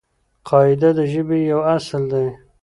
قاعده د ژبې یو اصل دئ.